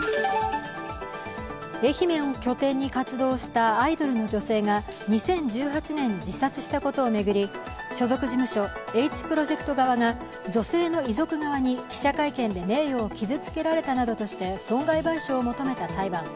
愛媛を拠点に活動したアイドルの女性が２０１８年に自殺したことを巡り所属事務所・Ｈプロジェクト側が女性の遺族側に記者会見で名誉を傷つけられたなどとして損害賠償を求めた裁判。